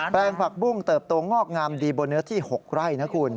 ลงผักบุ้งเติบโตงอกงามดีบนเนื้อที่๖ไร่นะคุณ